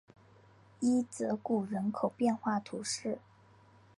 伊泽谷人口变化图示